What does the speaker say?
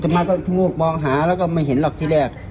มาก็ลูกมองหาแล้วก็ไม่เห็นหรอกที่แรก